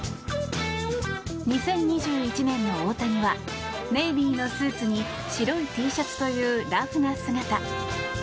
２０２１年の大谷はネイビーのスーツに白いＴシャツというラフな姿。